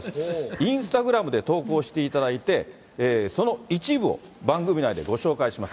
インスタグラムで投稿していただいて、その一部を番組内でご紹介します。